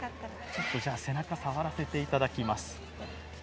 背中、触らせていただきます。